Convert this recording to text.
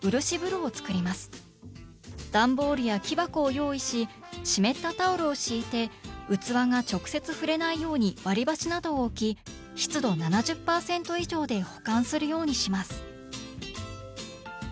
段ボールや木箱を用意し湿ったタオルを敷いて器が直接触れないように割り箸などを置き湿度７０％以上で保管するようにします。